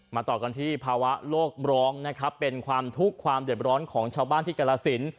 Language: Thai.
ต่อกันที่ภาวะโลกร้องนะครับเป็นความทุกข์ความเด็ดร้อนของชาวบ้านที่กรสิน